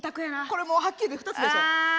これもうはっきり言って２つでしょ。